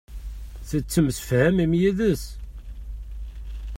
Tettemsefhamem yid-s?